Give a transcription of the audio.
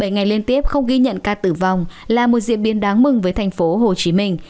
bảy ngày liên tiếp không ghi nhận ca tử vong là một diễn biến đáng mừng với thành phố hồ chí minh